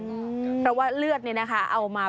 เพราะว่าเลือดนี่เอามา